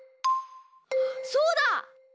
そうだ！